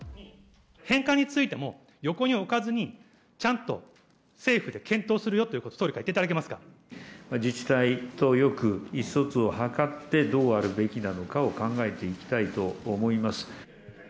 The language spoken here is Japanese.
返還についても横に置かずに、ちゃんと政府で検討するよということを総理から言っていただけま自治体とよく意思疎通を図って、どうあるべきなのかを考えていきたいと思います。